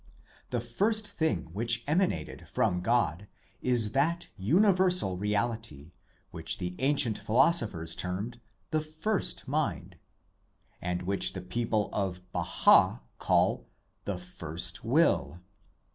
The first thing which emanated from God is that universal reality, which the ancient philosophers termed the * First Mind/ and which the people of Baha' call the ' First Will.'